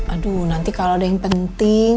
aduh nanti kalau ada yang penting